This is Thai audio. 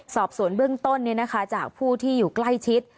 สอบสวนเบื้องต้นจากผู้ที่อยู่ใกล้ชิด